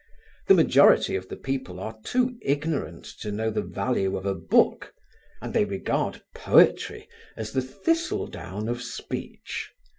The majority of the people are too ignorant to know the value of a book and they regard poetry as the thistle down of speech.